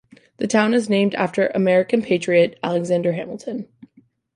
The town is named after American patriot Alexander Hamilton.